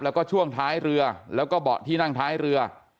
แล้วก็ช่วงท้ายเรือแล้วก็เบาะที่นั่งท้ายเรือ